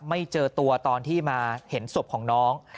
ไม่เจอตัวตอนที่มาเห็นศพของน้อง